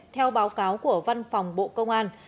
theo báo cáo của văn phòng bộ công an